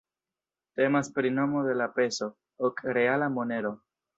Temas pri nomo de la peso, ok-reala monero.